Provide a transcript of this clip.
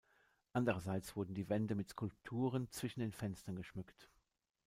Andererseits wurden die Wände mit Skulpturen zwischen den Fenstern geschmückt.